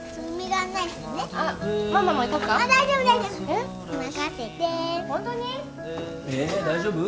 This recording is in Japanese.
え大丈夫？